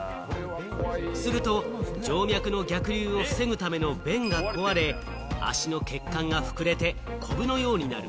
すると静脈の逆流を防ぐための弁が壊れ、足の血管が膨れて、こぶのようになる。